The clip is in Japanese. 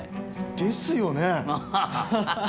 ですよね。